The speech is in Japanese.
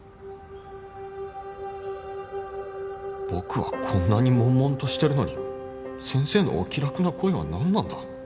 僕はこんなにモンモンとしてるのに先生のお気楽な声はなんなんだ